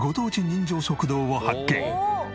人情食堂を発見。